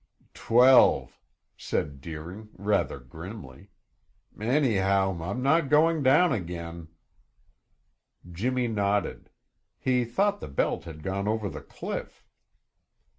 "Twelve," said Deering, rather grimly. "Anyhow, I'm not going down again." Jimmy nodded. He thought the belt had gone over the cliff.